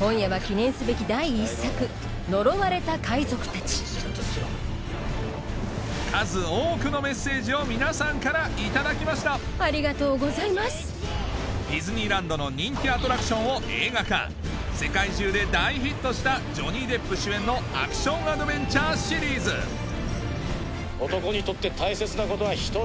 今夜は記念すべき第１作『呪われた海賊たち』数多くのメッセージを皆さんから頂きましたありがとうございますディズニーランドの人気アトラクションを映画化世界中で大ヒットしたジョニー・デップ主演のアクションアドベンチャーシリーズ男にとって大切なことは１つ。